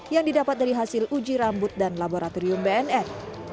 yang didapat dari hasil uji rambut dan laboratorium bnn